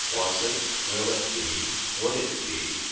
Was it? Will it be? Would it be?